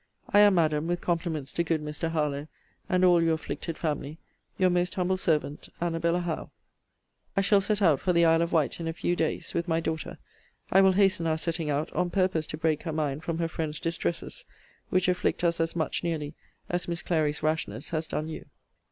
I am, Madam, with compliments to good Mr. Harlowe, and all your afflicted family, Your most humble servant, ANNABELLA HOWE. I shall set out for the Isle of Wight in a few days, with my daughter. I will hasten our setting out, on purpose to break her mind from her friend's distresses; which afflict us as much, nearly, as Miss Clary's rashness has done you.